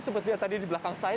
seperti tadi di belakang saya